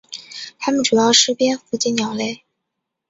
它们主要吃蝙蝠及鸟类。